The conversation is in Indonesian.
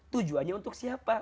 tujuannya untuk siapa